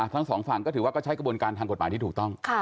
ทั้งสองฝั่งก็ถือว่าก็ใช้กระบวนการทางกฎหมายที่ถูกต้อง